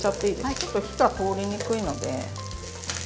ちょっと火が通りにくいので。